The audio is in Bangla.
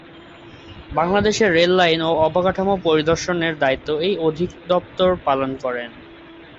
বাংলাদেশে রেললাইন ও অবকাঠামো পরিদর্শনের দায়িত্ব এই অধিদফতর পালন করে।